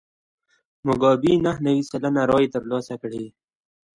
موګابي نهه نوي سلنه رایې ترلاسه کړې.